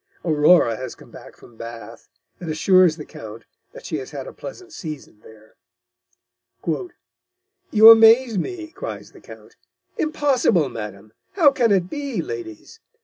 Aurora has come back from Bath, and assures the Count that she has had a pleasant season there: "'You amaze me," cries the Count; 'Impossible, Madam! How can it be, Ladies?